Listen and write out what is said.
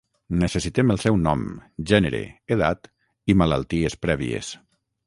Necessitem el seu nom, gènere, edat i malalties prèvies.